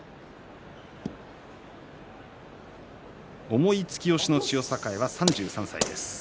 重い突き押しの千代栄３３歳です。